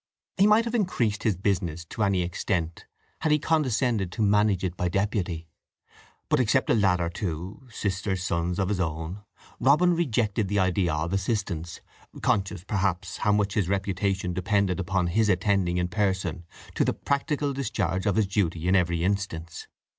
He might have increased his business to any extent had he condescended to manage it by deputy; but, except a lad or two, sister's sons of his own, Robin rejected the idea of assistance, conscious, perhaps, how much his reputation depended upon his attending in person to the practical discharge of his duty in every instance.